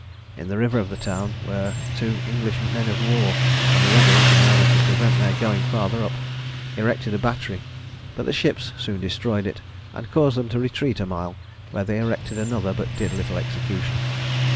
In the river of the town were two English men of war; and the rebels, in order to prevent their going farther up, erected a battery, but the ships soon destroyed it, and caused them to retreat a mile, where they erected another, but did little execution.